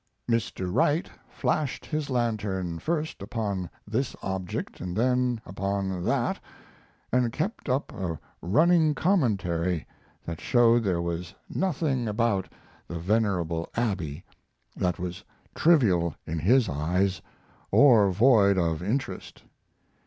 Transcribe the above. Mr. Wright flashed his lantern first upon this object and then upon that, and kept up a running commentary that showed there was nothing about the venerable Abbey that was trivial in his eyes or void of interest.